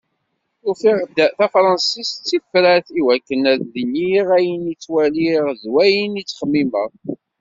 Ufiɣ-d tafransist d tifrat i wakken ad d-iniɣ ayen i ttwaliɣ d wayen i txemmimeɣ.